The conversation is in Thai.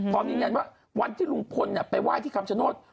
พอมีงานว่าวันที่ลุงพลไปไหว้ที่คำชะโนธ